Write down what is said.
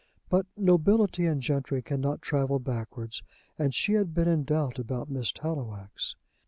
But nobility and gentry cannot travel backwards, and she had been in doubt about Miss Tallowax.